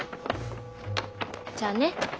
じゃあね。